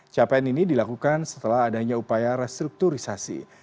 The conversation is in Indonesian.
capaian ini dilakukan setelah adanya upaya restrukturisasi